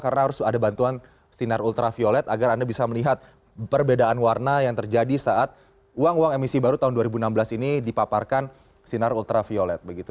karena harus ada bantuan sinar ultraviolet agar anda bisa melihat perbedaan warna yang terjadi saat uang uang emisi baru tahun dua ribu enam belas ini dipaparkan sinar ultraviolet